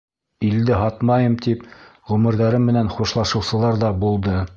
Илде һатмайым, тип ғүмерҙәре менән хушлашыусылар ҙа булды.